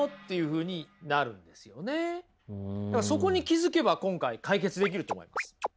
そこに気付けば今回解決できると思います。